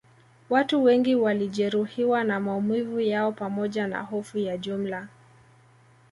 Watu wengi walijeruhiwa na maumivu yao pamoja na hofu ya jumla